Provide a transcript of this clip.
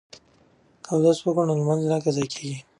که اودس وکړو نو لمونځ نه قضا کیږي.